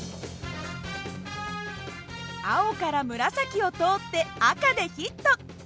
青から紫を通って赤でヒット！